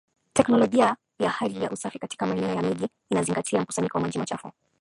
Teknolojia ya hali ya usafi katika maeneo ya miji inazingatia mkusanyiko wa maji machafu